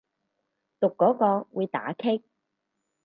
讀嗰個會打棘